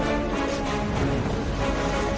ขโมยเนี่ยขโมยทำไม